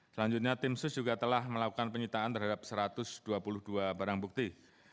selanjutnya tim sus juga telah melakukan penyitaan terhadap satu ratus dua puluh dua barang bukti